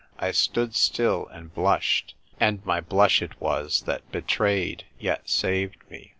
I stood still and blushed ; and my blush it was that betrayed, yet saved me.